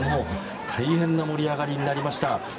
大変な盛り上がりになりました。